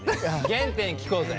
原点聞こうぜ。